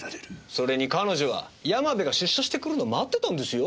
それに彼女は山部が出所してくるのを待ってたんですよ。